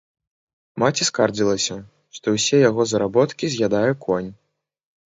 Маці скардзілася, што ўсе яго заработкі з'ядае конь.